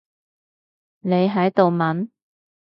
你喺度問？